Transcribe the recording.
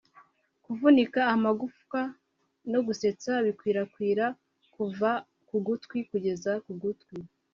Kuvunika amagufwa no gusetsa bikwirakwira kuva ku gutwi kugeza ku gutwi